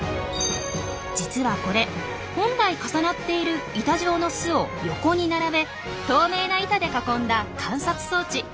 実はこれ本来重なっている板状の巣を横に並べ透明な板で囲んだ観察装置。